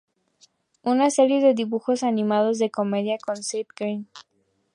Una serie de dibujos animados de comedia con Seth Green.